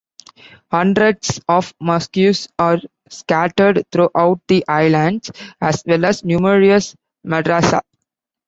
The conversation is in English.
Hundreds of mosques are scattered throughout the islands, as well as numerous "madrassah".